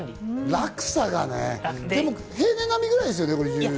落差がね、平年並みくらいですよね。